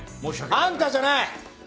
あんたじゃない！